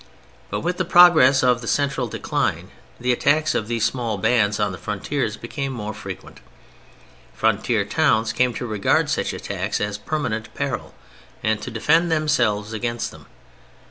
But with the progress of the central decline the attacks of these small bands on the frontiers became more frequent. Frontier towns came to regard such attacks as a permanent peril and to defend themselves against them.